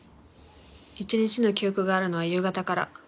一日の記憶があるのは夕方から。